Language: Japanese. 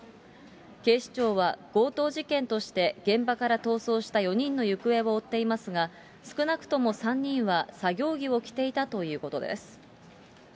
警視庁は強盗事件として現場から逃走した４人の行方を追っていますが、少なくとも３人は作業着を着ていたということです。